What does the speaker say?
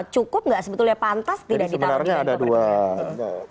cukup nggak sebetulnya pantas tidak ditaruh di menko perekonomian